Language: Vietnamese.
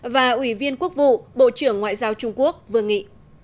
và ủy viên quốc vụ bộ trưởng ngoại giao trung quốc vương nghị